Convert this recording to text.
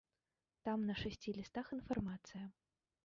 Там на шасці лістах інфармацыя.